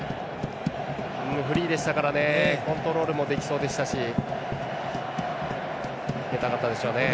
フリーでしたからコントロールもできそうでしたし入れたかったでしょうね。